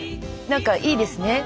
何かいいですね。